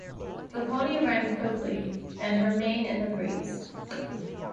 The pony ran quickly, and her mane in the breeze.